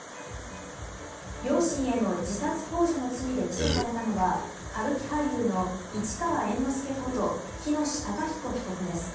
両親への自殺幇助の罪で起訴されたのは歌舞伎俳優の市川猿之助こと喜熨斗孝彦被告です。